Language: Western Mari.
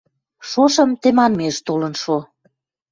Шошым тӹманмеш толын шо.